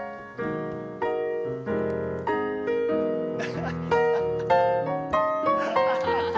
ハハハハハ！